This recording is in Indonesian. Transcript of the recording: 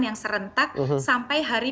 yang serentak sampai hari